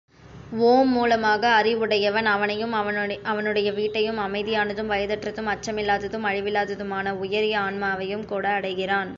ஓம் மூலமாக அறிவுடையவன் அவனையும், அவனுடைய வீட்டையும் அமைதியானதும் வயதற்றதும் அச்சமில்லாததும் அழிவில்லாததுமான உயரிய ஆன்மாவையும்கூட அடைகிறான்.